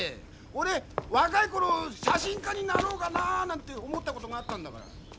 俺若い頃写真家になろうかななんて思ったことがあったんだから。